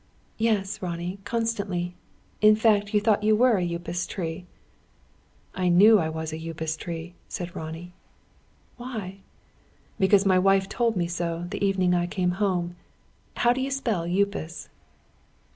"Yes, Ronnie, constantly. In fact you thought you were a Upas tree!" "I knew I was a Upas tree," said Ronnie. "Why?" "Because my wife told me so, the evening I came home. How do you spell 'Upas'?"